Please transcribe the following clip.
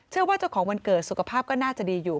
เจ้าของวันเกิดสุขภาพก็น่าจะดีอยู่